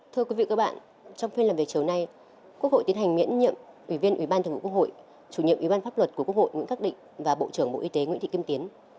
thưa quý vị và các bạn trong phiên làm việc chiều nay quốc hội tiến hành miễn nhiệm ủy viên ủy ban thường vụ quốc hội chủ nhiệm ủy ban pháp luật của quốc hội nguyễn khắc định và bộ trưởng bộ y tế nguyễn thị kim tiến